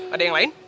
ada yang lain